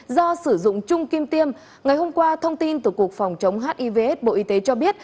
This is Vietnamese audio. do sử dụng chung kim tiêm ngày hôm qua thông tin từ cục phòng chống hivs bộ y tế cho biết